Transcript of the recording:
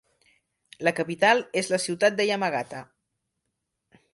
La capital és la ciutat de Yamagata.